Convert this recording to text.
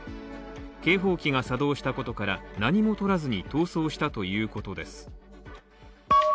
警報器が作動したことから何もとらずに逃走したということです。